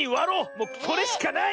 もうそれしかない！